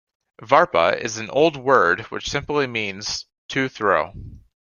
"Varpa" is an old word which simply means "to throw".